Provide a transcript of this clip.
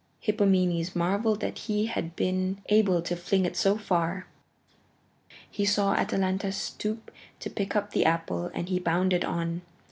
Hippomenes marvelled that he had been able to fling it so far. He saw Atalanta stoop to pick up the apple, and he bounded on.